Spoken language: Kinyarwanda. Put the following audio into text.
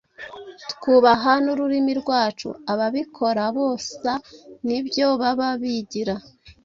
twubaha n’ururimi rwacu, ababikora bosa nibyo baba bigira’